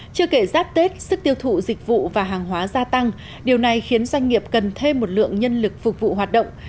chưa kể giáp tết sức tiêu thụ dịch vụ và hàng hóa gia tăng điều này khiến doanh nghiệp cần thêm một lượng nhân lực phục vụ hoạt động